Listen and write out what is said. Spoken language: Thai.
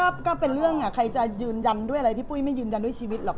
ก็เป็นเรื่องใครจะยืนยันด้วยอะไรพี่ปุ้ยไม่ยืนยันด้วยชีวิตหรอก